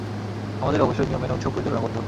আমাদের অবশ্যই নিয়ম মেনে উৎসব পরিচালনা করতে হবে।